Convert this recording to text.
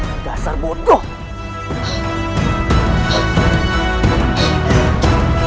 aku sangat mencintai